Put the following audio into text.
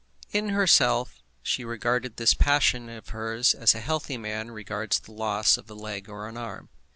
In herself she regarded this passion of hers as a healthy man regards the loss of a leg or an arm.